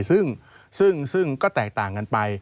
ซึ่งก็แตกต่างกันไป